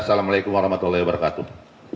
assalamu'alaikum warahmatullahi wabarakatuh